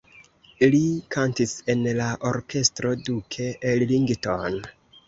Li kantis en la Orkestro Duke Ellington.